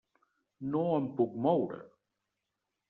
No em puc moure.